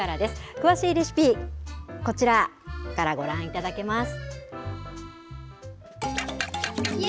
詳しいレシピ、こちらからご覧いただけます。